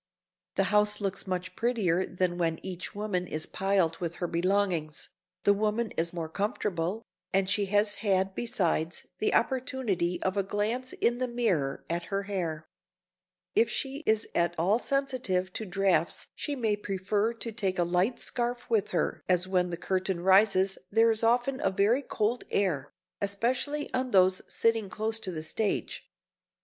The house looks much prettier than when each woman is piled with her belongings, the woman is more comfortable, and she has had besides the opportunity of a glance in the mirror at her hair. If she is at all sensitive to drafts she may prefer to take a light scarf with her as when the curtain rises there is often a very cold air, especially on those sitting close to the stage.